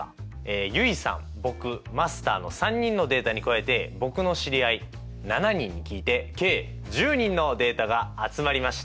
結衣さん僕マスターの３人のデータに加えて僕の知り合い７人に聞いて計１０人のデータが集まりました！